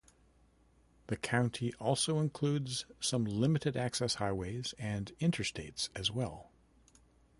The county also includes some limited access highways and Interstates as well.